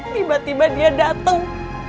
tiba tiba dia dateng